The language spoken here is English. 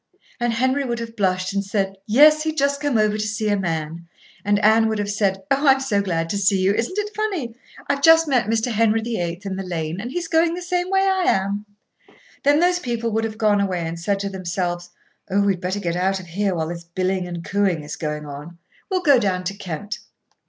and Henry would have blushed and said, "Yes; he'd just come over to see a man;" and Anne would have said, "Oh, I'm so glad to see you! Isn't it funny? I've just met Mr. Henry VIII. in the lane, and he's going the same way I am." Then those people would have gone away and said to themselves: "Oh! we'd better get out of here while this billing and cooing is on. We'll go down to Kent."